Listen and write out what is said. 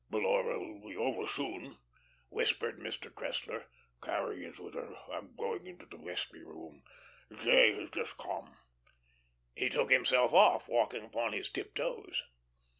"Laura will be over soon," whispered Mr. Cressler. "Carrie is with her. I'm going into the vestry room. J. has just come." He took himself off, walking upon his tiptoes.